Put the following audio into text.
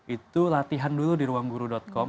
itu latihan dulu di ruangguru com